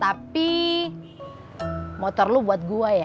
tapi motor lo buat gue ya